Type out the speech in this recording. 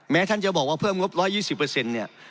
ท่านจะบอกว่าเพิ่มงบ๑๒๐เนี่ย